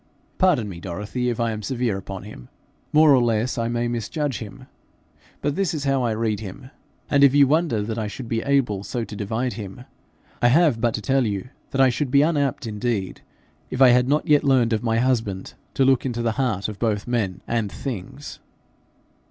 Pardon me, Dorothy, if I am severe upon him. More or less I may misjudge him, but this is how I read him; and if you wonder that I should be able so to divide him, I have but to tell you that I should be unapt indeed if I had not yet learned of my husband to look into the heart of both men and things.'